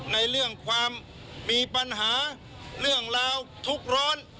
ในเรื่องความมีปัญหาเรื่องราวทุกข์ร้อน